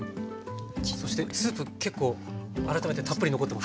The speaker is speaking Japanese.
そしてスープ結構改めてたっぷり残ってますね。